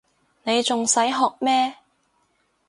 你仲使學咩